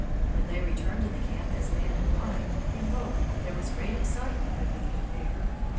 When they returned to the camp as man and wife, behold! there was great excitement over the affair.